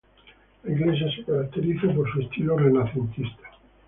La iglesia se caracteriza por su estilo renacentista.